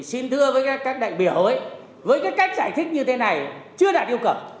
xin thưa các đại biểu với cách giải thích như thế này chưa đạt yêu cầu